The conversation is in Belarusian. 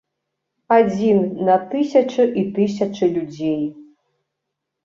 Адзін на тысячы і тысячы людзей!